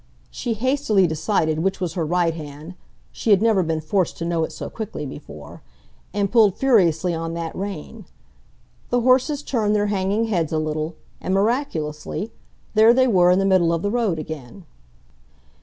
She hastily decided which was her right hand (she had never been forced to know it so quickly before) and pulled furiously on that rein. The horses turned their hanging heads a little, and, miraculously, there they were in the middle of the road again.